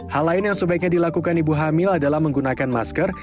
hal lain yang sebaiknya dilakukan ibu hamil adalah menggunakan masker